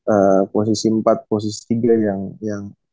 eee posisi empat posisi tiga yang yang